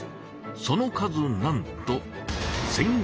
その数なんと１５００点！